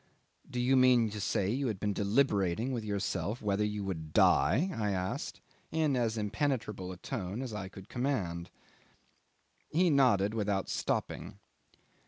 "Do you mean to say you had been deliberating with yourself whether you would die?" I asked in as impenetrable a tone as I could command. He nodded without stopping.